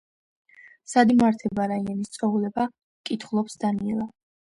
სად იმართება რაიანის წვეულება? – კითხულობს დანიელა.